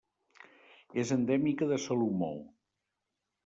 És endèmica de Salomó.